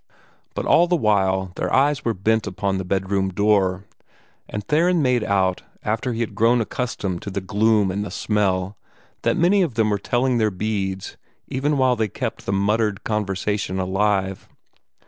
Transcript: But all the while their eyes were bent upon the bedroom door; and Theron made out, after he had grown accustomed to the gloom and the smell, that many of them were telling their beads even while they kept the muttered conversation alive.